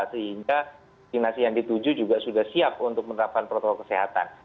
sehingga vaksinasi yang dituju juga sudah siap untuk menerapkan protokol kesehatan